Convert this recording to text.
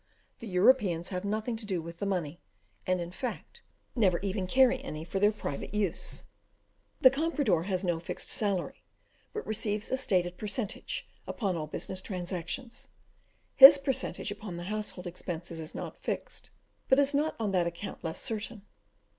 The Europeans have nothing to do with the money, and, in fact, never even carry any for their private use. The comprador has no fixed salary, but receives a stated per centage upon all business transactions: his per centage upon the household expenses is not fixed, but is not on that account less certain.